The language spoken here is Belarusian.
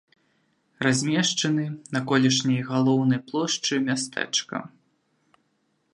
Размешчаны на колішняй галоўнай плошчы мястэчка.